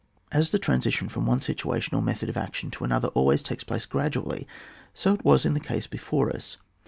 As the transition from one situation or method of action to another always takes place gradually so it was in die case before us.